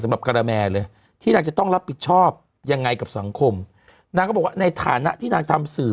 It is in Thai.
กับการแมเลยที่นางจะต้องรับผิดชอบยังไงกับสังคมนางก็บอกว่าในฐานะที่นางทำสื่อ